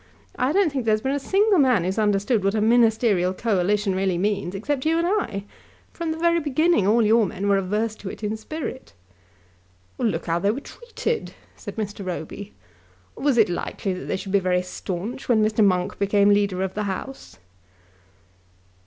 I don't think there has been a single man who has understood what a Ministerial Coalition really means except you and I. From the very beginning all your men were averse to it in spirit." "Look how they were treated!" said Mr. Roby. "Was it likely that they should be very staunch when Mr. Monk became Leader of the House?"